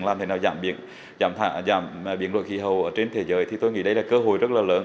làm thế nào giảm biển đội khí hầu ở trên thế giới thì tôi nghĩ đây là cơ hội rất là lớn